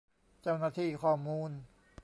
เจ้าหน้าที่ข้อมูล